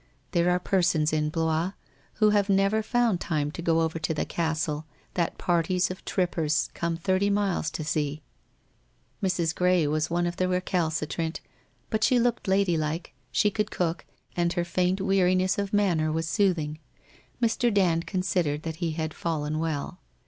There are persons in Blois who have never found time to go over to the Castle that parties of trippers come thirty miles to see. Mrs. Gray was one of the re calcitrant, but she looked ladylike, she could cook, and her faint weariness of manner was soothing. Mr. Dand con sidered that he had fallen well.